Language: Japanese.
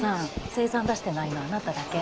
精算出してないのあなただけ。